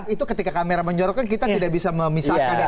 itu ketika kamera menjorokkan kita tidak bisa memisahkan